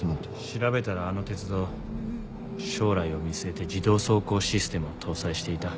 調べたらあの鉄道将来を見据えて自動走行システムを搭載していた。